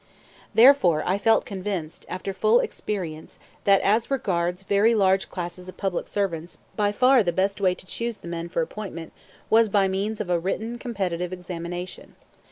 Therefore I felt convinced, after full experience, that as regards very large classes of public servants by far the best way to choose the men for appointment was by means of written competitive examination.